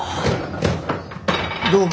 どうも。